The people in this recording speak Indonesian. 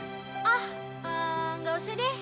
oh ee gak usah deh